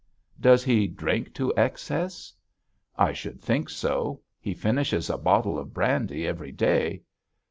'Does he drink to excess?' 'I should think so; he finishes a bottle of brandy every day.'